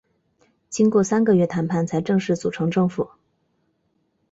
经过三个月谈判才正式组成政府。